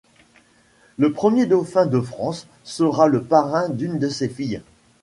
Le premier dauphin de France sera le parrain d'une de ses filles.